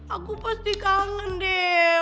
aku pasti kangen deh